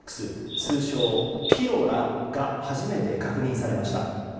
通称ピロラが初めて確認されました。